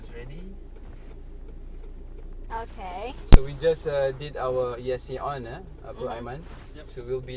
ครับปิ๊งสัญญาว่าคราวนี้จะไม่คิด